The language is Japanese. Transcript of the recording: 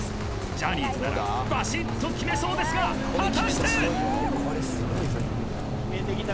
ジャニーズならバシッと決めそうですが果たして？